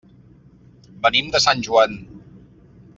Venim de Sant Joan.